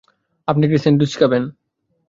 আপনি একটা স্যান্ডউইচ খাবেন?